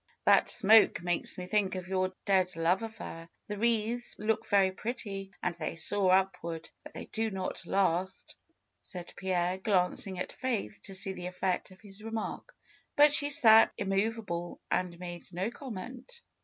^^That smoke makes me think of your dead love affair. The wreaths look very pretty and they soar up ward; but they do not last," said Pierre, glancing at Faith to see the effect of his remark. But she sat immovable and made no comment.